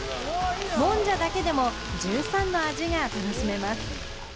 もんじゃだけでも１３の味が楽しめます。